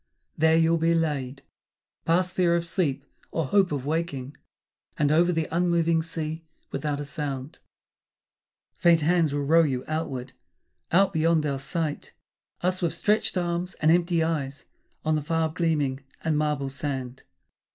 There you'll be laid, past fear of sleep or hope of waking; And over the unmoving sea, without a sound, Faint hands will row you outward, out beyond our sight, Us with stretched arms and empty eyes on the far gleaming And marble sand.